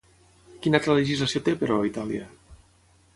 Quina altra legislació té, però, Itàlia?